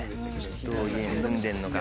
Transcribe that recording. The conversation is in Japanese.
どういう家に住んでんのか。